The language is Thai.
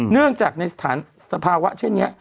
เนื่องจากในสถานสภาวะเช่นนี้